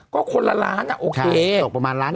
ก็คนละล้านอ่ะโอเคตกประมาณล้าน